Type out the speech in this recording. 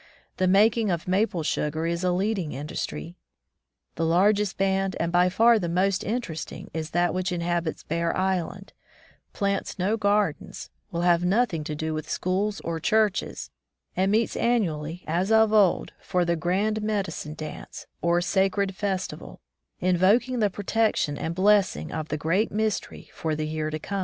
The making of maple sugar is a leading industry. The largest band and by far the most interesting is that which inhabits Bear Island, plants no gardens, will have nothing to do with schools or churches, and meets annually, as of old, for the "Grand Medicine Dance," or sacred festival, invoking the protection and blessing of the "Great Mystery for the year to come.